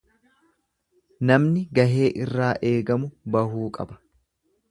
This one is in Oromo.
Namni gahee irraa eegamu bahuu qaba.